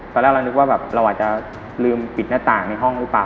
ตอนแรกเรานึกว่าแบบเราอาจจะลืมปิดหน้าต่างในห้องหรือเปล่า